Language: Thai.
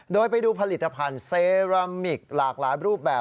โดยไปดูผลิตภัณฑ์เซรามิกหลากหลายรูปแบบ